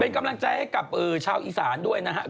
เป็นกำลังใจให้กับชาวอีสานด้วยนะครับ